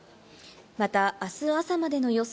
また、あす朝までの予想